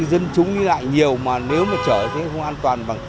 dân chúng lại nhiều mà nếu mà chở thì không an toàn